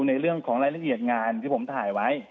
ในเรื่องของรายละเอียดงานที่ผมถ่ายไว้